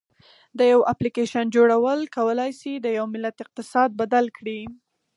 د یو اپلیکیشن جوړول کولی شي د یو ملت اقتصاد بدل کړي.